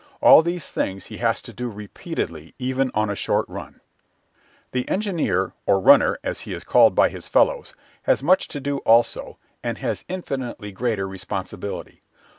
All these things he has to do repeatedly even on a short run. The engineer or "runner," as he is called by his fellows has much to do also, and has infinitely greater responsibility.